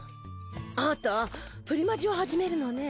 あたプリマジを始めるのね？